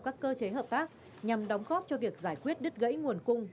các cơ chế hợp tác nhằm đóng góp cho việc giải quyết đứt gãy nguồn cung